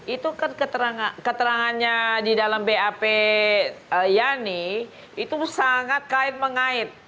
itu kan keterangannya di dalam bap yani itu sangat kait mengait